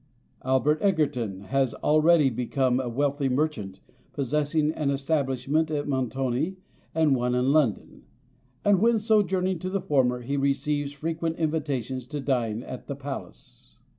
Albert Egerton has already become a wealthy merchant, possessing an establishment at Montoni and one in London; and, when sojourning at the former, he receives frequent invitations to dine at the Palace.